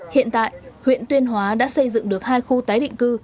hiện tại huyện tuyên hóa đã xây dựng được hai khu tái định cư